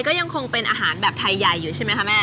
ก็ยังคงเป็นอาหารแบบไทยใหญ่อยู่ใช่ไหมคะแม่